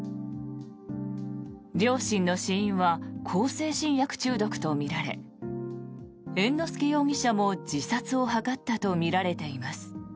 両親の死因は向精神薬中毒とみられ猿之助容疑者も自殺を図ったとみられています。